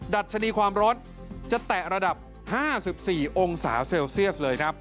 ดัชนีความร้อนจะแตะระดับ๕๔องศาเซลเซียสเลยครับ